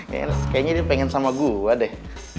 kayaknya dia pengen sama gue deh